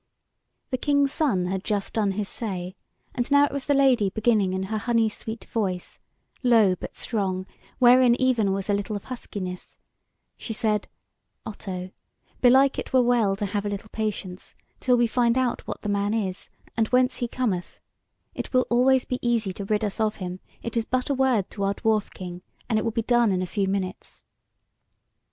The King's Son had just done his say, and now it was the Lady beginning in her honey sweet voice, low but strong, wherein even was a little of huskiness; she said: "Otto, belike it were well to have a little patience, till we find out what the man is, and whence he cometh; it will always be easy to rid us of him; it is but a word to our Dwarf king, and it will be done in a few minutes."